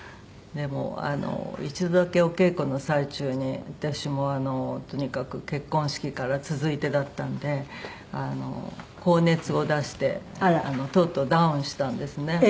でも一度だけお稽古の最中に私もとにかく結婚式から続いてだったんで高熱を出してとうとうダウンしたんですね。